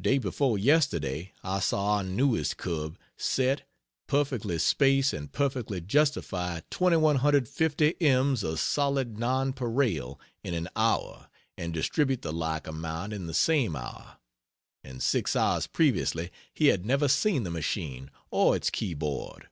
Day before yesterday I saw our newest cub set, perfectly space and perfectly justify 2,150 ems of solid nonpareil in an hour and distribute the like amount in the same hour and six hours previously he had never seen the machine or its keyboard.